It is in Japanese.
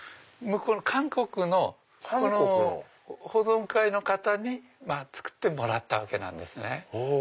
韓国の保存会の方に作ってもらったわけなんですね。